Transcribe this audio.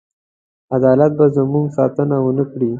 عدالت به زموږ ساتنه ونه کړي.